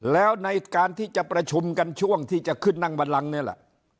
แล้วในการที่จะประชุมกันช่วงที่จะขึ้นนั่งบันลังนี่แหละ